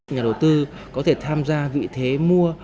nhà đầu tư có thể tham gia vị thế mua